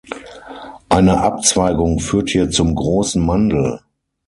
Eine Abzweigung führt hier zum Großen Mandl.